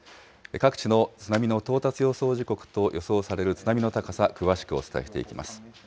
各地の津波の到達予想時刻と予想される津波の高さ、詳しくお伝えしていきます。